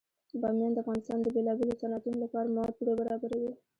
بامیان د افغانستان د بیلابیلو صنعتونو لپاره مواد پوره برابروي.